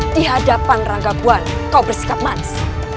di hadapan ranggabuan kau bersikap manis